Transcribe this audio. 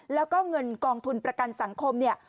แล้วก็เงินกองทุนประกันสังคมเนี่ย